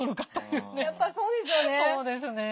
やっぱりそうですよね。